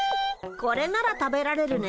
これなら食べられるね。